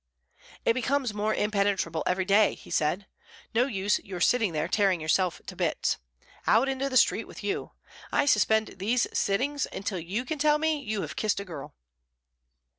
"It becomes more impenetrable every day," he said. "No use your sitting there tearing yourself to bits. Out into the street with you! I suspend these sittings until you can tell me you have kissed a girl."